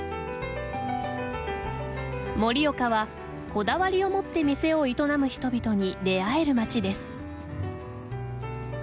盛岡はこだわりを持って店を営む人々に出会える町です。